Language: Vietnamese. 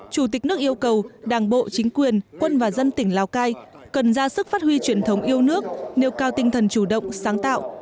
chủ tịch nước yêu cầu đảng bộ chính quyền quân và dân tỉnh lào cai cần ra sức phát huy truyền thống yêu nước nêu cao tinh thần chủ động sáng tạo